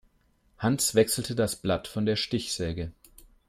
Hans wechselte das Blatt von der Stichsäge.